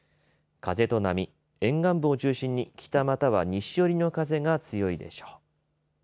風と波沿岸部を中心に北または西寄りの風が強いでしょう。